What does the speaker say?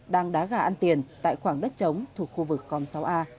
đang đá gà ăn tiền tại khoảng đất chống thuộc khu vực com sáu a